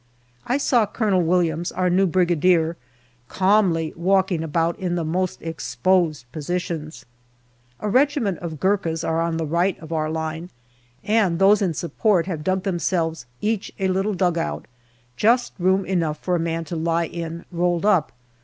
I saw Colonel Williams, our new Brigadier, calmly walking about in the most exposed positions. A regiment of Gurkhas are on the right of our line, and those in support have dug themselves each a little dugout, just room enough for a man to lie in, rolled up.